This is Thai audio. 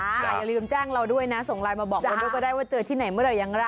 อย่าลืมจ้างเราด้วยนะส่งไลน์มาบอกคนด้วยก็ได้ว่าเจอที่ไหนเมื่อเรายังรัก